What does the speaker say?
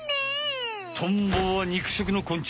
トンボは肉食のこん虫。